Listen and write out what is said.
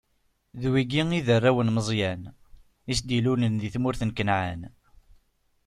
D wigi i d arraw n Meẓyan, i s-d-ilulen di tmurt n Kanɛan.